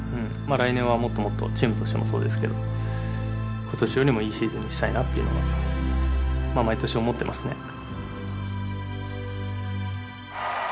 来年はもっともっとチームとしてもそうですけど今年よりもいいシーズンにしたいなっていうのは毎年思ってますね。